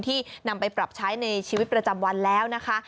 ที่นำไปปรับใช้ในชีวิตประจำวันแล้วนะคะ